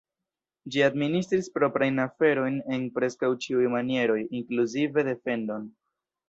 Ĝi administris proprajn aferojn en preskaŭ ĉiuj manieroj, inkluzive defendon.